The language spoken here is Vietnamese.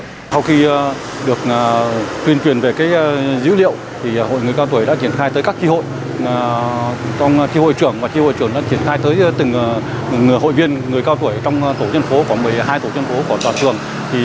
sau khi được tuyên truyền về dữ liệu hội người cao tuổi đã triển khai tới các tri hội trong tri hội trưởng và tri hội trưởng đã triển khai tới từng hội viên người cao tuổi trong tổ dân phố có một mươi hai tổ chân phố của toàn trường